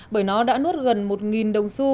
bởi nó đã nuốt gần một đồng su